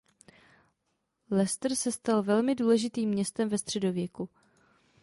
Leicester se stal velmi důležitým městem ve středověku.